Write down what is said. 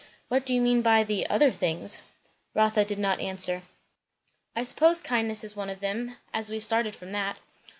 "What do you mean by the 'other things'?" Rotha did not answer. "I suppose kindness is one of them, as we started from that."